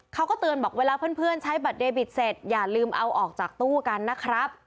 เขาก็เตือนบอกเวลาเพื่อนใช้บัตรเดบิตเสร็จอย่าลืมเอาออกจากตู้กันนะครับ